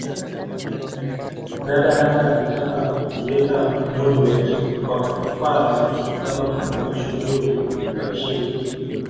Dada hata alitaka kuweka monument kwa Fuhrer kama mtu mashuhuri na mshindi